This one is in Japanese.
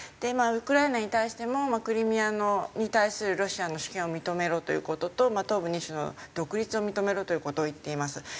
まあウクライナに対してもクリミアに対するロシアの主権を認めろという事と東部２州の独立を認めろという事を言っています。